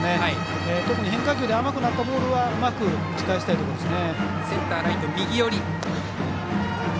特に変化球で甘くなったボールはうまく打ち返したいですね。